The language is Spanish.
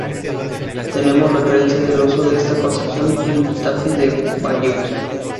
Tenemos referencia al uso de esta construcción en el tapiz de Bayeux.